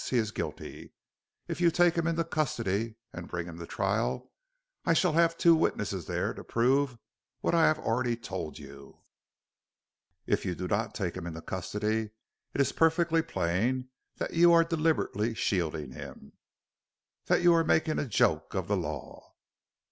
He is guilty. If you take him into custody and bring him to trial I shall have two witnesses there to prove what I have already told you. If you do not take him into custody, it is perfectly plain that you are deliberately shielding him that you are making a joke of the law."